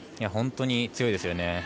本当に強いですね。